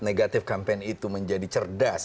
negatif campaign itu menjadi cerdas